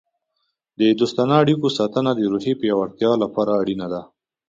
د دوستانه اړیکو ساتنه د روحیې د پیاوړتیا لپاره اړینه ده.